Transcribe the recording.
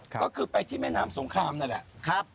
ก็คือไปที่แม่น้ำสงครามนั่นแหละ